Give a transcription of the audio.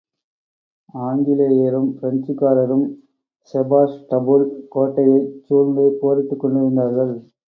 ஆங்கிலலேயரும், பிரெஞ்சுக்காரரும் செபாஸ்டபூல் கோட்டையைச் சூழ்ந்து போரிட்டுக் கொண்டிருந்தார்கள்.